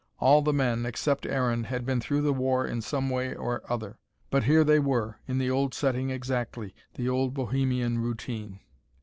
All the men, except Aaron, had been through the war in some way or other. But here they were, in the old setting exactly, the old bohemian routine.